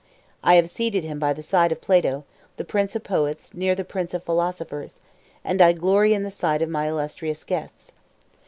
I have seated him by the side of Plato, the prince of poets near the prince of philosophers; and I glory in the sight of my illustrious guests.